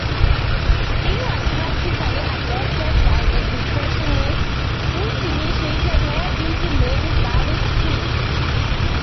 She was practically adopted by the Impressionists, who initiated her into many Gallic secrets.